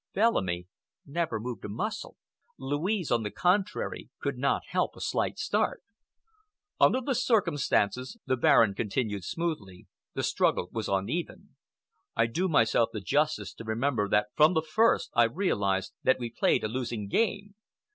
Bellamy never moved a muscle. Louise, on the contrary, could not help a slight start. "Under the circumstances," the Baron continued smoothly, "the struggle was uneven. I do myself the justice to remember that from the first I realized that we played a losing game.